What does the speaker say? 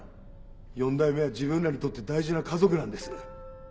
四代目は自分らにとって大事な家族なんです。